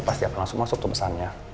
pasti akan langsung masuk tuh pesannya